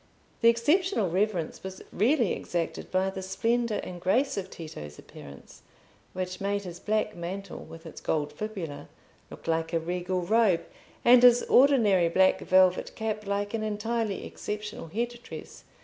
The exceptional reverence was really exacted by the splendour and grace of Tito's appearance, which made his black mantle, with its gold fibula, look like a regal robe, and his ordinary black velvet cap like an entirely exceptional head dress.